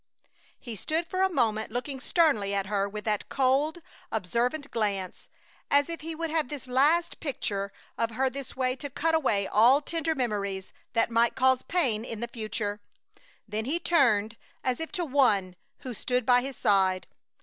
He stood for a moment looking steadily at her with that cold, observant glance, as if he would have this last picture of her this way to cut away all tender memories that might cause pain in the future. Then he turned as if to One who stood by his side.